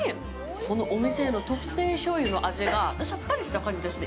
このお店の特製醤油の味がさっぱりした感じですね。